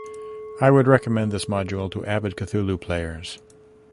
I would recommend this module to avid Cthulhu players.